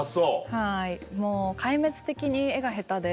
はいもう壊滅的に絵が下手で。